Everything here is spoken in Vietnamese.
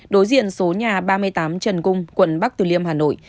đối diện số nhà ba mươi tám trần cung quận bắc từ liêm hà nội